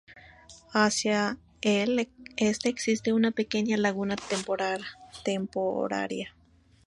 Hacia el este existe una pequeña laguna temporaria.